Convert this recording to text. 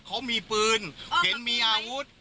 เขามีปืนเห็นมีอาวุธ